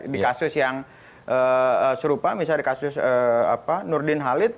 di kasus yang serupa misalnya di kasus nurdin halid